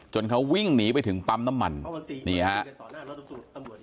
เขาวิ่งหนีไปถึงปั๊มน้ำมันนี่ครับ